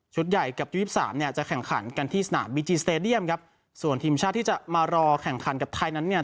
ใหญ่กับยี่สิบสามเนี่ยจะแข่งขันกันที่สนามบีจีสเตดียมครับส่วนทีมชาติที่จะมารอแข่งขันกับไทยนั้นเนี่ย